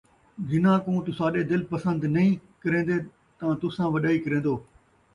جِنہاں کوں تُہاݙے دِل پسند نہیں کریندے تاں تُساں وݙائی کریندو،